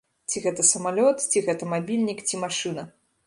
Ці гэта самалёт, ці гэта мабільнік, ці машына.